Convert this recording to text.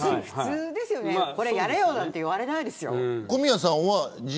これをやれよなんて言われないですよ。